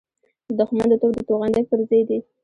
د دښمن د توپ د توغندۍ پرزې دي.